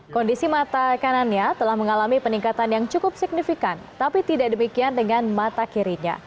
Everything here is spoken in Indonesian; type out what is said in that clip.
kondisi mata kanannya telah mengalami peningkatan yang cukup signifikan tapi tidak demikian dengan mata kirinya